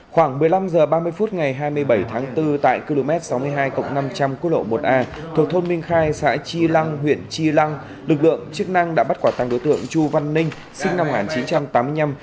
khoảng một mươi năm h ba mươi phút ngày hai mươi bảy tháng bốn tại km sáu mươi hai năm trăm linh cô lộ một a thuộc thôn minh khai xã tri lăng huyện tri lăng lực lượng chức năng đã bắt quả tăng đối tượng chu văn ninh sinh năm một nghìn chín trăm tám mươi năm